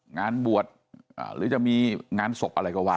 งานบวชหรือจะมีงานศพอะไรก็ว่า